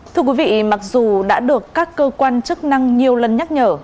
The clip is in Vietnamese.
thưa quý vị mặc dù đã được các cơ quan chức năng nhiều lần nhắc nhở